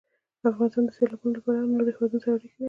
افغانستان د سیلابونه له پلوه له نورو هېوادونو سره اړیکې لري.